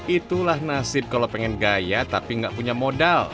itulah nasib kalau pengen gaya tapi gak punya modal